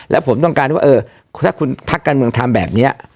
แล้วผมต้องการว่าเออถ้าคุณพักการเมืองทำแบบนี้